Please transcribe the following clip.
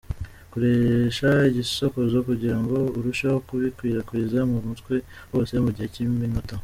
Koresha igisokozo kugira ngo urusheho kubikwirakwiza mu mutwe hose mu gihe cy’iminota .